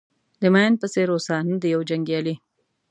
د مین په څېر اوسه نه د یو جنګیالي.